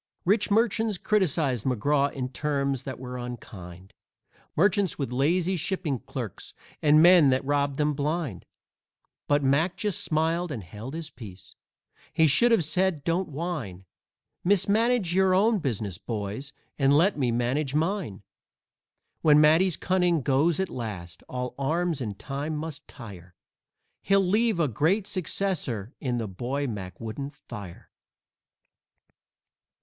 Rich merchants criticised McGraw in terms that were unkind Merchants with lazy shipping clerks and men that robbed them blind. But Mac just smiled and held his peace. He should have said: "Don't whine! Mismanage your own business, boys, and let me manage mine!" When Matty's cunning goes at last all arms in time must tire He'll leave a great successor in the boy Mac wouldn't fire.